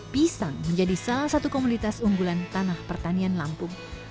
pisang menjadi salah satu komunitas unggulan tanah pertanian lampung